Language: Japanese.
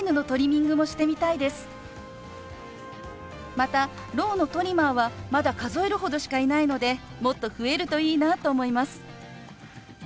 またろうのトリマーはまだ数えるほどしかいないのでもっと増えるといいなと思います。